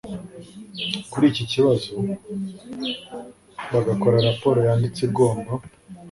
kuri iki kibazo bagakora raporo yanditse igomba